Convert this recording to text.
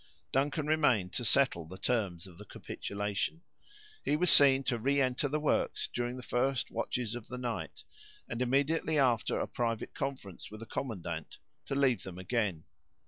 Duncan remained to settle the terms of the capitulation. He was seen to re enter the works during the first watches of the night, and immediately after a private conference with the commandant, to leave them again.